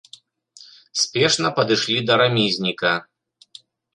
Спешна падышлі да рамізніка.